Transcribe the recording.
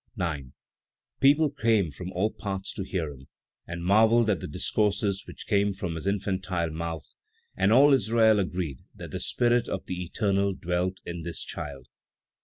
9. People came from all parts to hear him, and marvelled at the discourses which came from his infantile mouth; and all Israel agreed that the Spirit of the Eternal dwelt in this child.